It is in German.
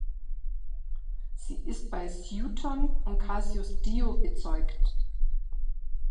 Sie ist bei Sueton und Cassius Dio bezeugt.